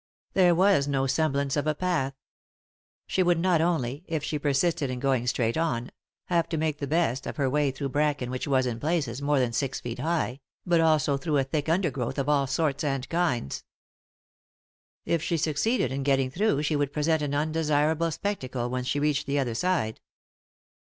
There was no semblance of a path. She would not only, if she persisted in going straight on, have to make the best of her way through bracken which was, in places, more than six feet high, but also through a thick undergrowth of all sorts and kinds. If she succeeded in getting through she would present an undesirable spectacle when she reached the other side.